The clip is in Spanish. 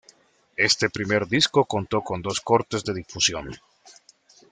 Este primer disco contó con dos cortes de difusión.